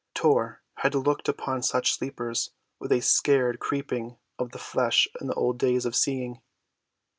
Tor had looked upon such sleepers with a scared creeping of the flesh in the old days of seeing.